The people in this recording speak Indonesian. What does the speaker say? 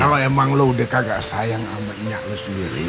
kalau emang lu udah kagak sayang sama emak lu sendiri